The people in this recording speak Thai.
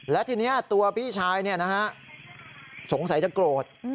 และทีนี้ตัวพี่ชายสงสัยจะโกรธ